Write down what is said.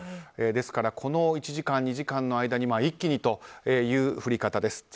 ですから、この１時間２時間の間に一気にという降り方です。